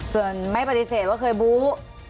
ส่วนไม่ปฏิเสธว่าเคยบู๊